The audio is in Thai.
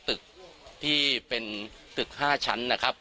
ตึกที่เป็นตึก๕ชั้นนะครับ